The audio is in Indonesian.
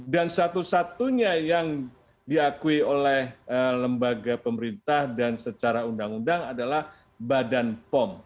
dan satu satunya yang diakui oleh lembaga pemerintah dan secara undang undang adalah badan pom